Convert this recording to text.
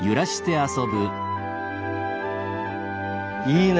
いいね。